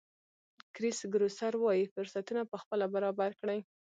کرېس ګروسر وایي فرصتونه پخپله برابر کړئ.